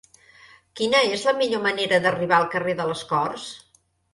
Quina és la millor manera d'arribar al carrer de les Corts?